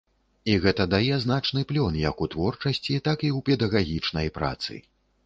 І гэта дае значны плён як у творчасці, так і ў педагагічнай працы.